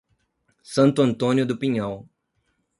Santo Antônio do Pinhal